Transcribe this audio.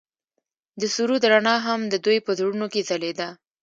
د سرود رڼا هم د دوی په زړونو کې ځلېده.